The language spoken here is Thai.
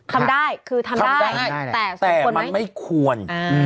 ทำได้คือทำได้แต่มันไม่ควร